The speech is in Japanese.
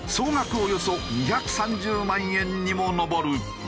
およそ２３０万円にも上る。